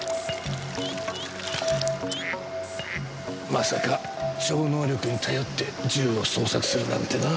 まさか超能力に頼って銃を捜索するなんてな。